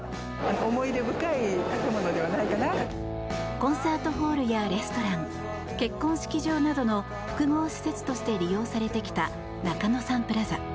コンサートホールやレストラン結婚式場などの複合施設として利用されてきた中野サンプラザ。